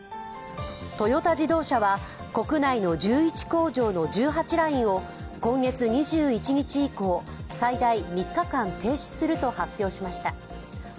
トヨタ自動車は国内の１１工場の１８ラインを今月２１日以降、最大３日間停止すると発表しました。